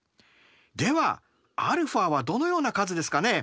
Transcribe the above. ではαはどのような数ですかね？